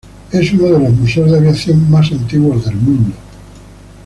Es uno de los museos de aviación más antiguos del mundo.